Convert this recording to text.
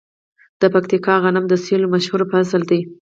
د پکتیکا غنم د سویل مشهور فصل دی.